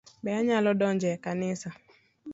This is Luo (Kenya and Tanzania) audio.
Be anyalo donjo e kanisa?